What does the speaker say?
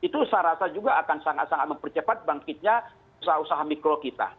itu saya rasa juga akan sangat sangat mempercepat bangkitnya usaha usaha mikro kita